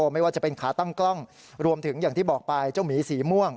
ไม่ว่าจะเป็นขาตั้งกล้องรวมถึงอย่างที่บอกไปเจ้าหมีสีม่วง